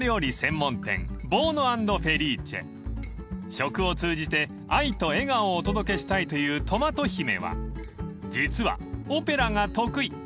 ［食を通じて愛と笑顔をお届けしたいというトマト姫は実はオペラが得意］